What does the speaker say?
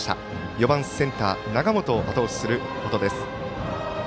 ４番センター、永本をあと押しする音です。